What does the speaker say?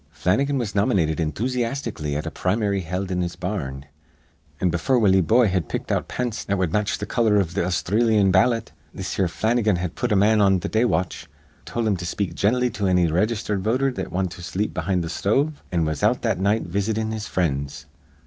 Flannigan was nomynated enthusyastically at a prim'ry held in his bar rn; an' befure Willie Boye had picked out pants that wud match th' color iv th' Austhreelyan ballot this here Flannigan had put a man on th' day watch, tol' him to speak gently to anny raygistered voter that wint to sleep behind th' sthove, an' was out that night visitin' his frinds.